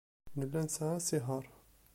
Nella nesɛa asihaṛ.